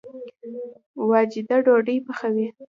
واجده ډوډۍ پخوي